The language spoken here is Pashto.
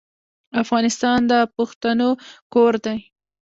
افغانستان د پښتنو کور دی.